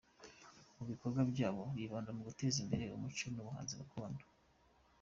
Mu bikorwa byabo bibanda mu guteza imbere umuco n’ubuhanzi gakondo.